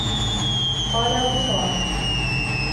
قَالَ أَبُو صَالِحٍ